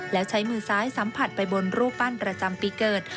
แล้วใช้มือซ้ายสัมผัสไปบนรูปปั้นประจำปีเกิด